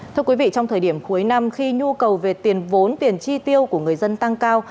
thưa quý vị trong thời điểm cuối năm khi nhu cầu về tiền vốn tiền chi tiêu của người dân tăng cao